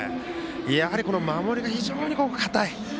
やはり守りが非常に堅い。